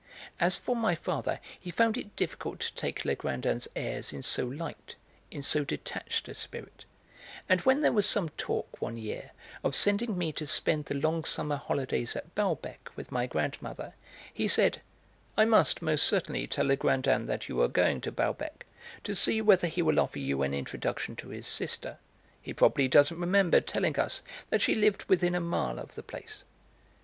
As for my father, he found it difficult to take Legrandin's airs in so light, in so detached a spirit; and when there was some talk, one year, of sending me to spend the long summer holidays at Balbec with my grandmother, he said: "I must, most certainly, tell Legrandin that you are going to Balbec, to see whether he will offer you an introduction to his sister. He probably doesn't remember telling us that she lived within a mile of the place."